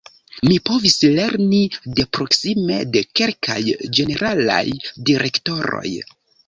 Mi povis lerni de proksime de kelkaj ĝeneralaj direktoroj.